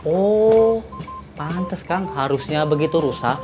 oh pantes kang harusnya begitu rusak